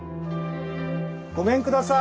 ごめんください！